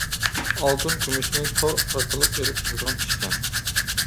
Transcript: ئالتۇن، كۈمۈشنى تور ئارقىلىق ئېلىپ، ساتىدىغان ئىشكەن.